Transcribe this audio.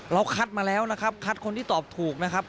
คัดมาแล้วนะครับคัดคนที่ตอบถูกนะครับ